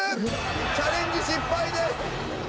チャレンジ失敗です。